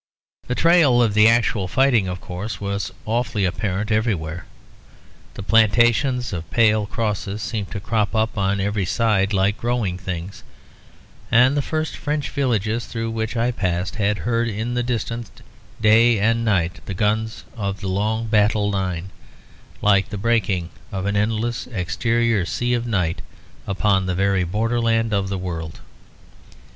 The trail of the actual fighting, of course, was awfully apparent everywhere; the plantations of pale crosses seemed to crop up on every side like growing things; and the first French villages through which I passed had heard in the distance, day and night, the guns of the long battle line, like the breaking of an endless exterior sea of night upon the very borderland of the world.